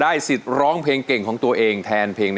ได้สิทธิ์ร้องเพลงเก่งของตัวเอง